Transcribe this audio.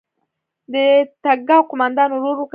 د تګاو قوماندان ورور وکتل.